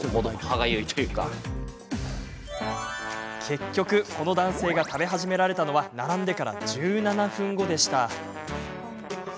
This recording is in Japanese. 結局、この男性が食べ始められたのは並んでから１７分後でした。